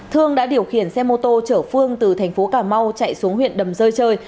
thương đã điều khiển xe mô tô chở phương từ thành phố cà mau chạy xuống huyện đầm rơi chơi